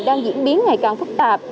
đang diễn biến ngày càng phức tạp